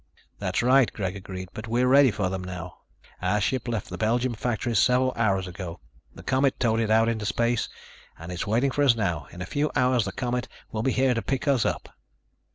"That's right," Greg agreed, "but we're ready for them now. Our ship left the Belgium factories several hours ago. The Comet towed it out in space and it's waiting for us now. In a few hours the Comet will be here to pick us up."